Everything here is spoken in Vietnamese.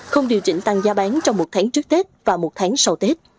không điều chỉnh tăng giá bán trong một tháng trước tết và một tháng sau tết